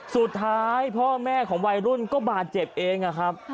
สุดท้ายพ่อแม่ของวัยรุ่นก็บาดเจ็บเองนะครับ